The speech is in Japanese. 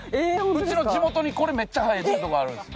うちの地元にこれめっちゃ生えてる所あるんです。